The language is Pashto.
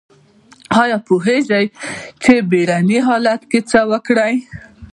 ایا پوهیږئ چې بیړني حالت کې څه وکړئ؟